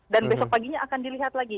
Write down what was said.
dan besok paginya akan dilihat lagi